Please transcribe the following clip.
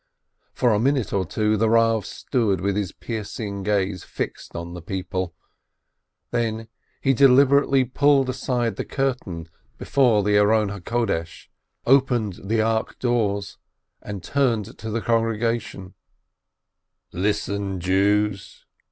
For a minute or two the Rav stood with his piercing gaze fixed on the people, then he deliberately pulled aside the curtain before the ark, opened the ark doors, and turned to the congre gation : "Listen, Jews